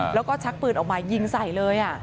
แล้วก็ชักปืนออกมายิงใส่เลย